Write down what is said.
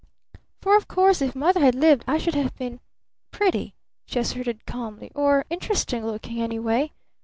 "For, of course, if Mother had lived I should have been pretty," she asserted calmly, "or interesting looking, anyway.